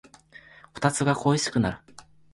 こたつが恋しくなる